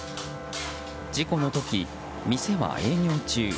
事故の時、店は営業中。